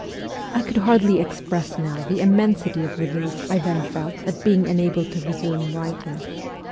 I could hardly express now the immensity of relief I then felt at being enabled to resume writing.